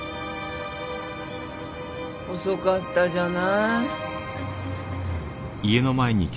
・遅かったじゃない。